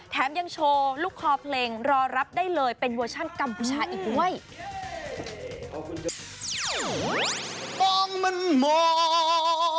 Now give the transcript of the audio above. แถมยังโชว์ลูกคอเพลง